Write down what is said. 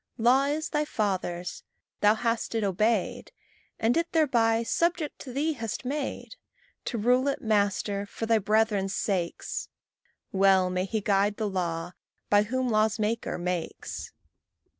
Law is Thy father's; thou hast it obeyed, And it thereby subject to thee hast made To rule it, master, for thy brethren's sakes: Well may he guide the law by whom law's maker makes.